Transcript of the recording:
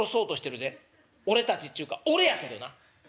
「俺たちっちゅうか俺やけどな。